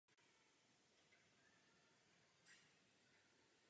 Jeho pravým opakem je úhoř.